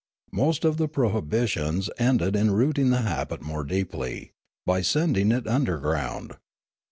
Most of the prohibitions ended in rooting the habit more deepl}^, by sending it under ground.